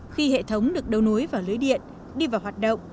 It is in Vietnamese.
khi hệ thống được đấu nối vào lưới điện đi vào hoạt động